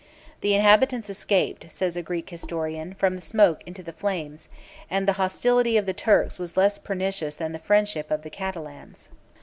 The inhabitants escaped (says a Greek historian) from the smoke into the flames; and the hostility of the Turks was less pernicious than the friendship of the Catalans.